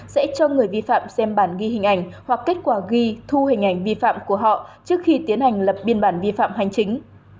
sẽ cho người vi phạm xem bản ghi hình ảnh hoặc kết quả ghi thu hình ảnh vi phạm của họ trước khi tiến hành lập biên bản vi phạm hành chính